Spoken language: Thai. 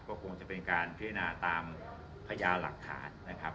ก็คงจะเป็นการพิจารณาตามพญาหลักฐานนะครับ